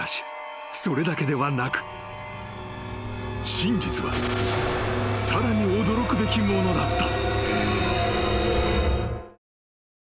［真実はさらに驚くべきものだった］